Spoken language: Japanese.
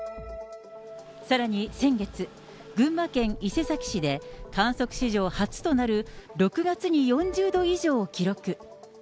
さらに先月、群馬県伊勢崎市で観測史上初となる６月に４０度以上を記録。